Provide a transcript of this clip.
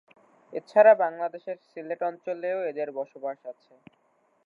এছাড়া বাংলাদেশের সিলেট অঞ্চলেও এদের বসবাস আছে।